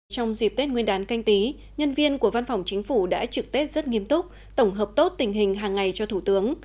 trong dịp tết nguyên đán canh tí nhân viên của văn phòng chính phủ đã trực tết rất nghiêm túc tổng hợp tốt tình hình hàng ngày cho thủ tướng